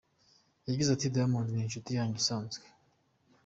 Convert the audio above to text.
Yagize ati "Diamond ni inshuti yanjye isanzwe.